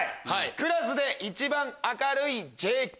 「クラスで一番明るいＪＫ」